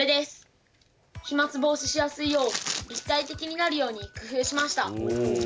飛まつ防止しやすいよう立体的になるように工夫しました。